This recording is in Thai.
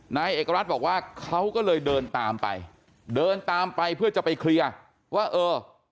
นายเอกรัฐบอกว่าเขาก็เลยเดินตามไปเดินตามไปเพื่อจะไปเคลียร์ว่าเออ